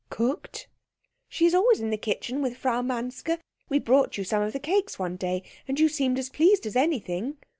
"Cooked?" "She is always in the kitchen with Frau Manske. We brought you some of the cakes one day, and you seemed as pleased as anything."